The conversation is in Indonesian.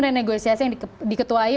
renegosiasi yang diketuai